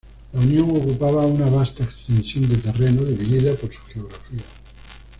La Unión ocupaba una vasta extensión de terreno, dividida por su geografía.